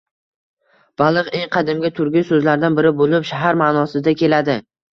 Baliq - eng qadimgi turkiy so‘zlardan biri bo‘lib, shahar ma’nosida keladi.